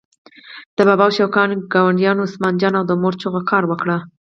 د بابا شوقیانو ګاونډي عثمان جان او د مور چغو کار وکړ.